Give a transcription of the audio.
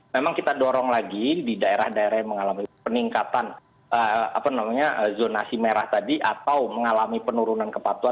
memang kita dorong lagi di daerah daerah yang mengalami peningkatan zonasi merah tadi atau mengalami penurunan kepatuhan